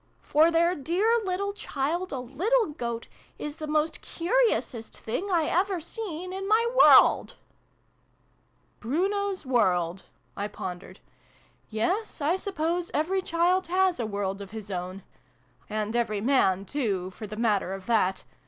For their dear little child, a little Goat, is the most curiousest thing I ever seen in my world !" "Bruno's World!" I pondered. "Yes, I suppose every child has a world of his own and every man, too, for the matter of that.